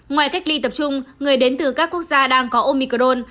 ngoài cách ly tập trung người đến từ các quốc gia đang có omicol